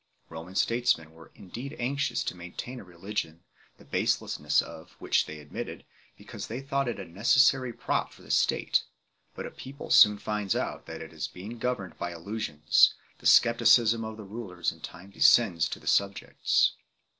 Roman statesmen were indeed anxious to maintain a religion the baselessness of which they admitted, because they thought it a necessary prop for the state ; but a people soon finds out that it is being governed by illusions ; the scepticism of the rulers in time descends to the subjects.